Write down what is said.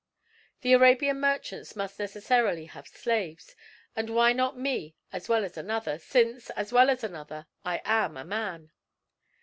The Arabian merchants must necessarily have slaves; and why not me as well as another, since, as well as another, I am a man?